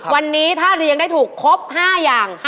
วันนี้ถ้าเรียงได้ถูกครบ๕อย่าง